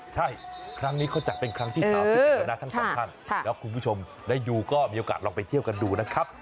ใช่ครั้งนี้เขาจัดเป็นครั้งที่๓๑แล้วนะทั้งสองท่านแล้วคุณผู้ชมได้ดูก็มีโอกาสลองไปเที่ยวกันดูนะครับ